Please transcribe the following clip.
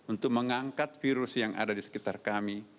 untuk mengangkat virus yang ada di sekitar kami